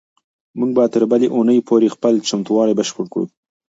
موږ به تر بلې اونۍ پورې خپل چمتووالی بشپړ کړو.